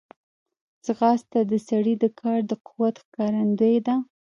ځغاسته د سړي د کار د قوت ښکارندوی ده